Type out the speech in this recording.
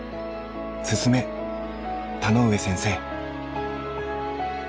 進め田上先生。